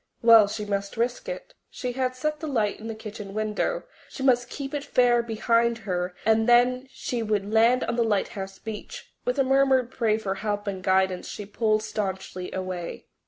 Well, she must risk it. She had set the light in the kitchen window; she must keep it fair behind her and then she would land on the lighthouse beach. With a murmured prayer for help and guidance she pulled staunchly away.